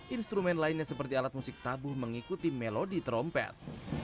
instrumen lainnya seperti alat musik tabuh mengikuti melodi trompet